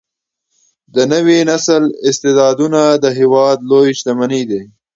د نوي نسل استعدادونه د هیواد لویه شتمني ده.